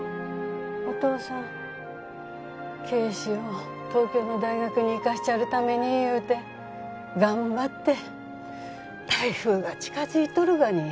お父さん啓示を東京の大学に行かしちゃるためにいうて頑張って台風が近づいとるがに